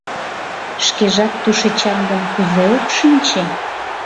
Шкежат тушечак гын, кузе ок шинче?